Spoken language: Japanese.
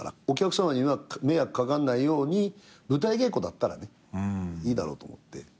お客さまには迷惑かかんないように舞台稽古だったらいいだろうと思って。